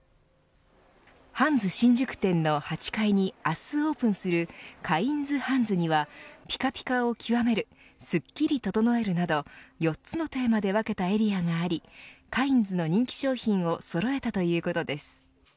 ハンズ新宿店の８階に明日オープンするカインズハンズにはピカピカを極めるスッキリ整えるなど４つのテーマで分けたエリアがありカインズの人気商品をそろえたということです。